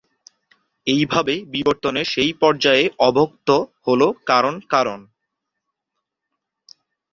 এইভাবে, বিবর্তনের সেই পর্যায়ে অব্যক্ত হল "কারণ-কারণ"।